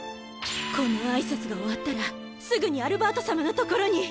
この挨拶が終わったらすぐにアルバート様のところに。